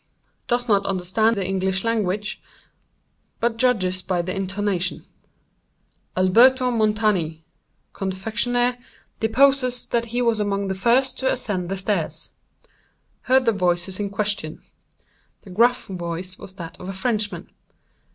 Does not understand the English language, but judges by the intonation. "Alberto Montani, confectioner, deposes that he was among the first to ascend the stairs. Heard the voices in question. The gruff voice was that of a Frenchman.